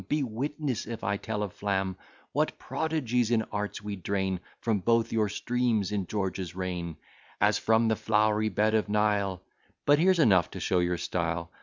Be witness if I tell a flam, What prodigies in arts we drain, From both your streams, in George's reign. As from the flowery bed of Nile" But here's enough to show your style.